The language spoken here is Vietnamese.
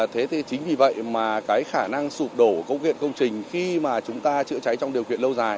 thế thì chính vì vậy mà cái khả năng sụp đổ công viện công trình khi mà chúng ta chữa cháy trong điều kiện lâu dài